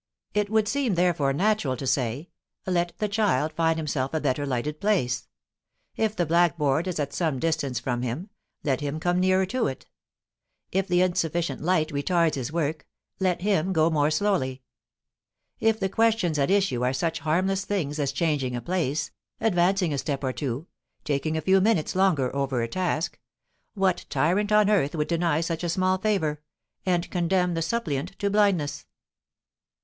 ] It would seem therefore natural to say: let the child find himself a better lighted place; if the blackboard is at some distance from him, let him come nearer to it; if the insufficient light retards his work, let him go more slowly; if the questions at issue are such harmless things as changing a place, advancing a step or two, taking a few minutes longer over a task what tyrant on earth would deny such a small favor, and condemn the suppliant to blindness?